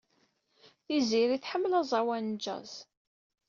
Tiziri tḥemmel aẓawan n jazz.